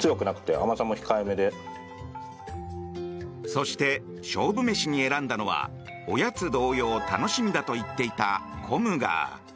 そして、勝負飯に選んだのはおやつ同様楽しみだと言っていたコムガー。